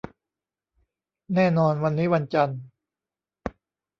แน่นอน วันนี้วันจันทร์